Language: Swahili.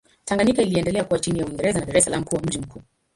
Tanganyika iliendelea kuwa chini ya Uingereza na Dar es Salaam kuwa mji mkuu.